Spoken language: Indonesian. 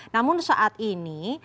namun saat ini